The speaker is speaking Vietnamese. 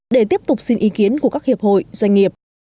để tiếp tục xin ý kiến của các hiệp hội doanh nghiệp